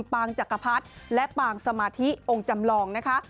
ปางจักรพรรดิและปางสมาธิองค์จำลองนะคะ